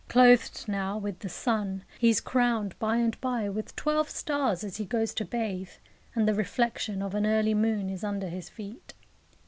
Clothed now with the sun, he is crowned by and by with twelve stars as he goes to bathe, and the reflection of an early moon is under his feet.